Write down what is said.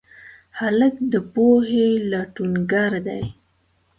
هلک د پوهې لټونګر دی.